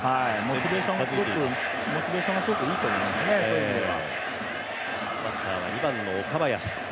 モチベーションがすごくいいと思いますねそういう意味では。